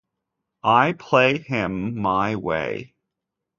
I play him my way.